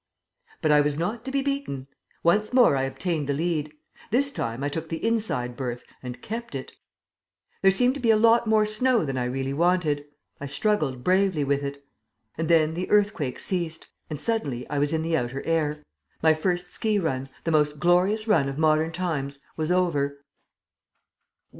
But I was not to be beaten. Once more I obtained the lead. This time I took the inside berth, and kept it.... There seemed to be a lot more snow than I really wanted.... I struggled bravely with it.... And then the earthquake ceased, and suddenly I was in the outer air. My first ski run, the most glorious run of modern times, was over.